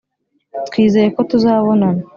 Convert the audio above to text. twizeye ko tuzabonana